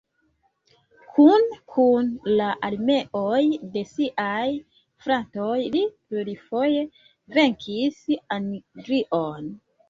Kune kun la armeoj de siaj fratoj, li plurfoje venkis Anglion.